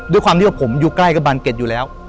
ด้วยความที่ว่าผมอยู่ใกล้กับบานเก็ตอยู่แล้ว